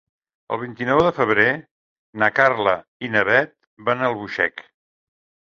El vint-i-nou de febrer na Carla i na Bet van a Albuixec.